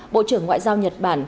bộ trưởng ngoại giao nhật bản